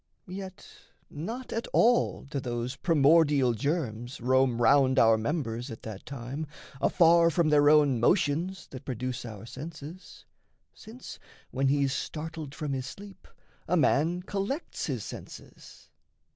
Yet not at all do those primordial germs Roam round our members, at that time, afar From their own motions that produce our senses Since, when he's startled from his sleep, a man Collects his senses.